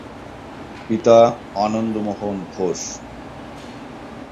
পিতা আনন্দমোহন ঘোষ।